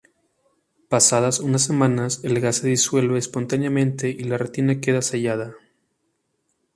Pasadas unas semanas el gas se disuelve espontáneamente y la retina queda sellada